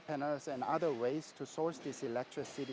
dan cara lain untuk menghasilkan elektrisasi ini